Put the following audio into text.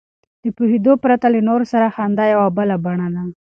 له پوهېدو پرته له نورو سره خندا یوه بله بڼه ده.